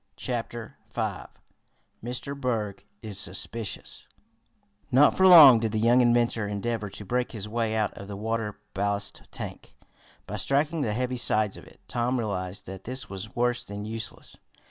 Chapter Five Mr. Berg is Suspicious Not for long did the young inventor endeavor to break his way out of the water ballast tank by striking the heavy sides of it. Tom realized that this was worse than useless.